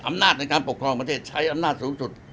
อำนาจในการปกครองประเทศใช้อำนาจสูงสุด